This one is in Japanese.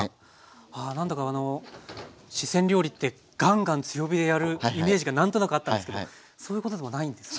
あ何だかあの四川料理ってガンガン強火でやるイメージが何となくあったんですけどそういうことでもないんですね。